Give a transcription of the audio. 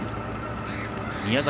宮崎